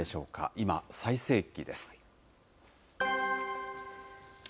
今、最盛期です。